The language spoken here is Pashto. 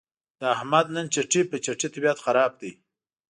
د احمد نن چټي په چټي طبیعت خراب دی.